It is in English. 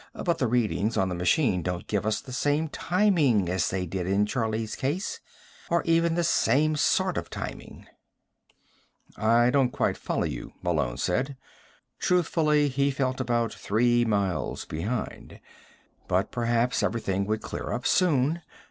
But the readings on the machine don't give us the same timing as they did in Charlie's case or even the same sort of timing." "I don't quite follow you," Malone said. Truthfully, he felt about three miles behind. But perhaps everything would clear up soon.